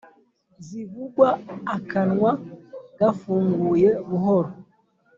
zivugwa akanwa gafunguye buhoro.